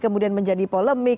kemudian menjadi polemik